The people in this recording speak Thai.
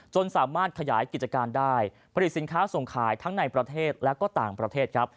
สามารถขยายกิจการได้ผลิตสินค้าส่งขายทั้งในประเทศและก็ต่างประเทศครับ